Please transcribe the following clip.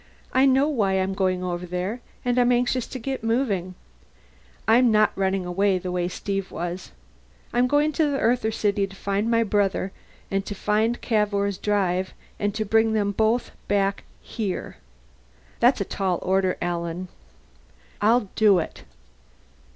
"I know why I'm going over there, and I'm anxious to get moving. I'm not running away, the way Steve was. I'm going to the Earther city to find my brother and to find Cavour's drive, and to bring them both back here!" "That's a tall order, Alan." "I'll do it."